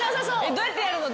どうやってやるの？